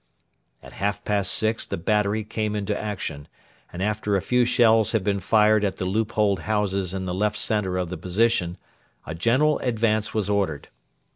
At half past six the battery came into action, and after a few shells had been fired at the loopholed houses in the left centre of the position, a general advance was ordered.